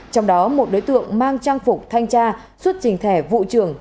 trong đó một đối tượng mang trang phục thanh tra xuất trình thẻ vụ trưởng